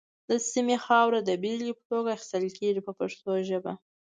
د سیمې خاوره د بېلګې په توګه اخیستل کېږي په پښتو ژبه.